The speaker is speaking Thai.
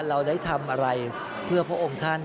เราได้ทำอะไรเพื่อพระองค์ท่าน